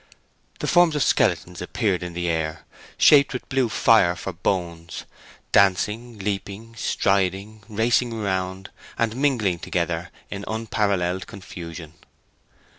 The forms of skeletons appeared in the air, shaped with blue fire for bones—dancing, leaping, striding, racing around, and mingling altogether in unparalleled confusion.